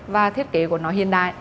và thiết kế của nó hiện đại